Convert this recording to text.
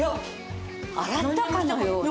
洗ったかのような。